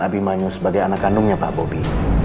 abi manyu sebagai anak kandungnya pak bobi